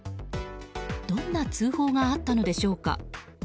どんな通報があったのでしょうか。